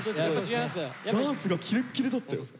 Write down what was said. ダンスがキレッキレだったよ。